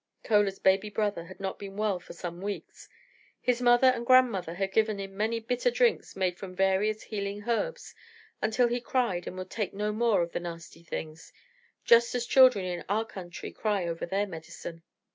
Chola's baby brother had not been well for some weeks. His mother and grandmother had given him many bitter drinks made from various healing herbs until he cried and would take no more of the nasty things, just as children in our country cry over their medicine.